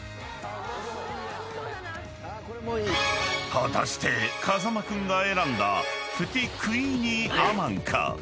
［果たして風間君が選んだプティクイニーアマンか］